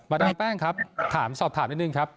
ดามแป้งครับถามสอบถามนิดนึงครับ